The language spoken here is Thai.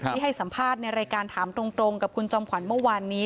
ให้สัมภาษณ์ในรายการถามตรงกับคุณจอมขวัญเมื่อวานนี้